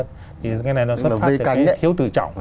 thì cái này xuất phát từ cái thiếu tự trọng